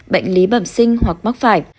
bệnh lý bẩm sinh hoặc mắc phải